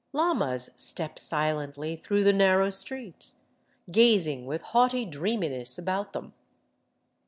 Llamas step silently through the narrow streets, gazing with haughty dreaminess about them.